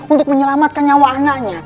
untuk menyelamatkan nyawa anaknya